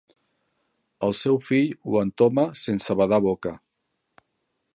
El seu fill ho entoma sense badar boca.